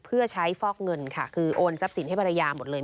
เพื่อใช้ฟอกเงินค่ะคือโอนทรัพย์สินให้ภรรยาหมดเลย